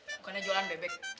bukannya jualan bebek